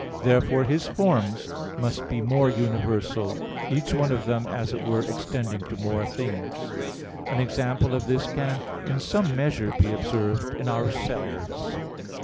Therefore his forms must be more universal; each one of them, as it were, extending to more things. An example of this can in some measure be observed in ourselves.